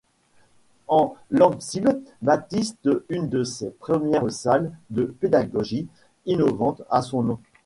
En l'Enssib baptise une de ses premières salles de pédagogie innovante à son nom.